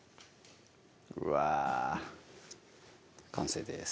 うわ完成です